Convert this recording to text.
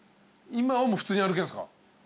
今はもう普通に歩けるんすか？